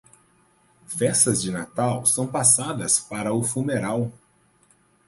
Festas de Natal são passadas para o fumeral.